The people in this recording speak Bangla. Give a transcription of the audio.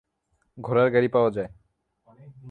ঘোড়ার গাড়ি পাওয়া যায়।